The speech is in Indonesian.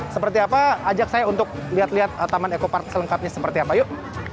seperti apa ajak saya untuk lihat lihat taman eko park selengkapnya seperti apa yuk